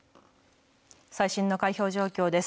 最新の開票状況です。